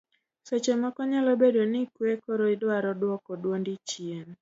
seche moko nyalo bedo ni ikwe koro idwaro duoko duondi chien